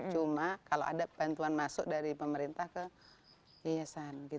cuma kalau ada bantuan masuk dari pemerintah ke yayasan